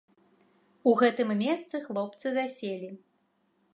У гэтым месцы хлопцы заселі.